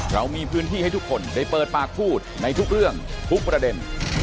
เรามีพื้นที่ให้ทุกคนได้เปิดปากพูดในทุกเรื่องทุกประเด็น